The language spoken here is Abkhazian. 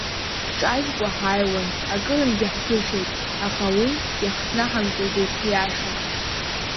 Ҳҿажәкуа ҳааиуан, акырынтәгьы ҳӡышеит, аха уи иахҭнаҳамҵаӡеит ҳиаша.